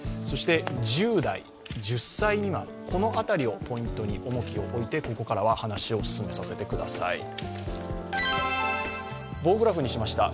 そして１０代、１０歳未満、この辺りに重きを置いてここからは話を進めさせてください。